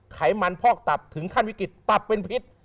ไขมันพอกตับถึงขั้นวิกฤตตับเป็นพิษ